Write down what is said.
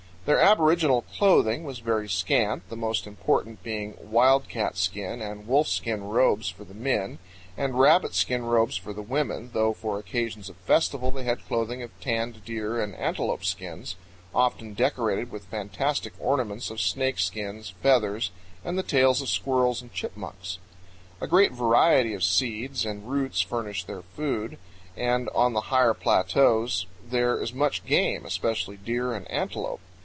Their aboriginal clothing was very scant, the most important being powell canyons 64.jpg AN INDIAN VILLAGE. wildcatskin and wolfskin robes for the men, and rabbitskin robes for the women, though for occasions of festival they had clothing of tanned deer and antelope skins, often decorated with fantastic ornaments of snake skins, feathers, and the tails of squirrels and chipmunks. A great variety of seeds and roots furnish their food, and on the higher plateaus there is much game, especially deer and antelope.